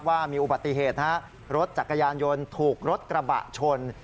ว่ามีอุบัติเหตุฮะรถจักรยานยนต์ถูกรถกระบะชน